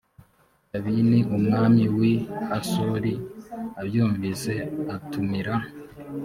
yabini umwami w i hasori abyumvise atumira